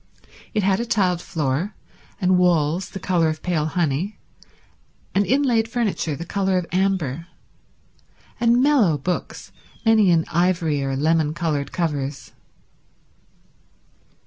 It had a tiled floor, and walls the colour of pale honey, and inlaid furniture the colour of amber, and mellow books, many in ivory or lemon coloured covers.